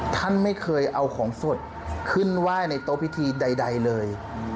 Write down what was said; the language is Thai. ท่านไม่เคยเอาของสดขึ้นไหว้ในโต๊ะพิธีใดเลย